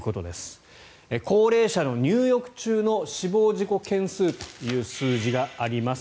高齢者の入浴中の死亡事故件数という数字があります。